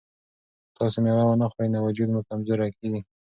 که تاسي مېوه ونه خورئ نو وجود مو کمزوری کیږي.